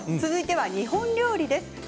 続いては日本料理です。